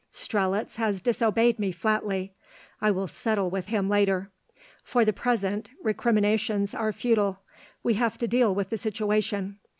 Strelitz has disobeyed me flatly; I will settle with him later. For the present, recriminations are futile; we have to deal with the situation.